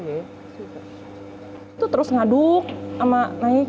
itu terus ngaduk sama naikin gini